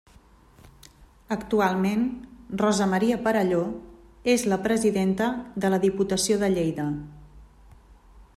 Actualment Rosa Maria Perelló és la Presidenta de la Diputació de Lleida.